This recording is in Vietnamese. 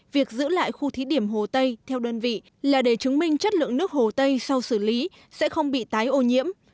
việc giữ lại khu thí điểm hồ tây theo đơn vị là để chứng minh chất lượng nước hồ tây sau xử lý sẽ không bị tái ô nhiễm